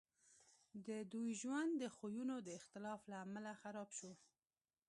د دوی ژوند د خویونو د اختلاف له امله خراب شو